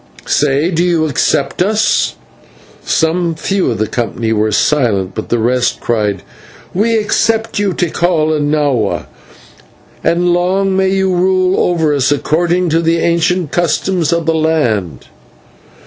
Say, do you accept us?" Some few of the company were silent, but the rest cried: "We accept you, Tikal and Nahua, and long may you rule over us according to the ancient customs of the land."